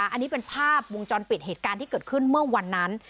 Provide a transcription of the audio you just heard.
อันนี้เป็นภาพวงจรปิดเหตุการณ์ที่เกิดขึ้นเมื่อวันนั้น